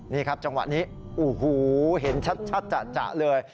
นี่ครับจังหวะนี้โอ้โหเห็นชัดจะเลย